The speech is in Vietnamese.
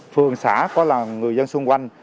phường xã có người dân xung quanh